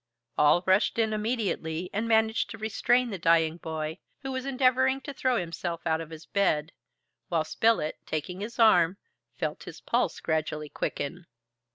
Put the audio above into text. All rushed in immediately and managed to restrain the dying boy, who was endeavoring to throw himself out of his bed, while Spilett, taking his arm, felt his pulse gradually quicken.